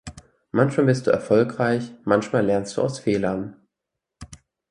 Manchmal bist du erfolgreich, manchmal lernst du aus Fehlern.